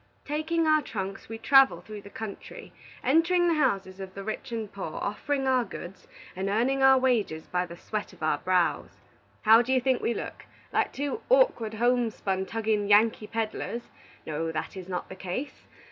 "Taking our trunks, we travel through the country, entering the houses of the rich and poor, offering our goods, and earning our wages by the sweat of our brows. How do you think we look? Like two Awkward, Homespun, Tugging Yankee peddlers? No, that is not the case.